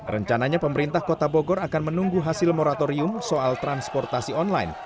rencananya pemerintah kota bogor akan menunggu hasil moratorium soal transportasi online